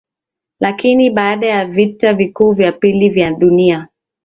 Lakini baada ya Vita vikuu vya pili vya dunia